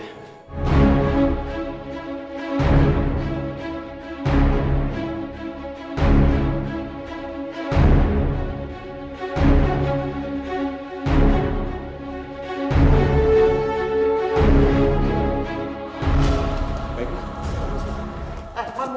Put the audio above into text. tidak saya akan pergi